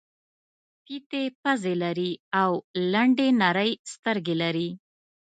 پېتې پزې لري او لنډې نرۍ سترګې لري.